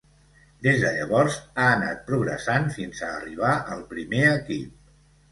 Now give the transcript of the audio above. Des de llavors ha anat progressant fins a arribar al primer equip.